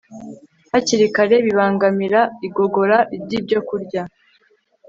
hakiri kare bibangamira igogora ryibyokurya